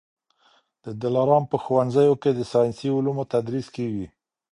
د دلارام په ښوونځیو کي د ساینسي علومو تدریس کېږي